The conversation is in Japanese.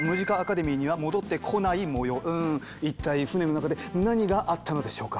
一体船の中で何があったのでしょうか？